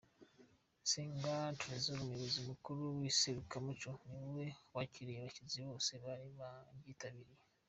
Senga Tresor, umuyobozi mukuru w'iri serukiramuco niwe wakiriye abashyitsi bose bari baryitabiriye.